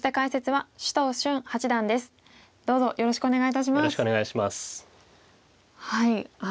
はい。